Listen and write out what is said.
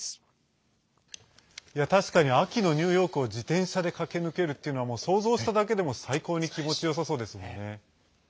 確かに秋のニューヨークを自転車で駆け抜けるっていうのは想像しただけでも最高に気持ちよさそうですもんね。